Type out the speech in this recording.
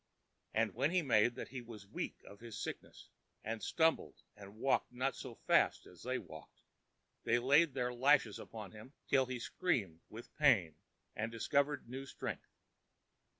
And when he made that he was weak of his sickness, and stumbled and walked not so fast as they walked, they laid their lashes upon him till he screamed with pain and discovered new strength.